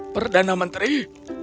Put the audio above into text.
perdana menteri apa